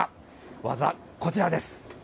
技、こちらです。